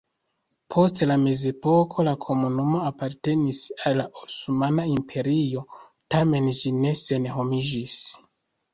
Post la mezepoko la komunumo apartenis al la Osmana Imperio, tamen ĝi ne senhomiĝis.